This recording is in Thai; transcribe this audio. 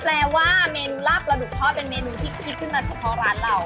แปลว่าเมนูลาบปลาดุกทอดเป็นเมนูที่คิดขึ้นมาเฉพาะร้านเรา